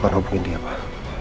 aku akan hubungin dia pak